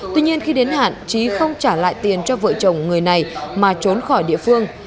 tuy nhiên khi đến hạn trí không trả lại tiền cho vợ chồng người này mà trốn khỏi địa phương